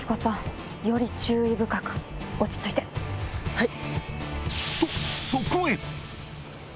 はい。